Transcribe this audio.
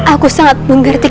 aku sangat mengerti